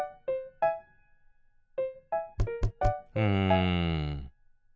うん。